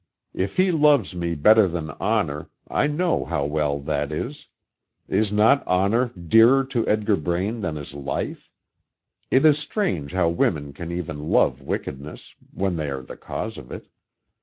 If he loves me better than honor, I know how well that is. Is not honor dearer to Edgar Braine than his life? It is strange how women can even love wickedness when they are the cause of it.